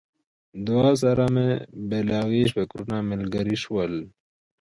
دعا سره مې بلاغي فکرونه ملګري شول.